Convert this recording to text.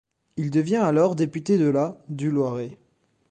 Il devient alors député de la du Loiret.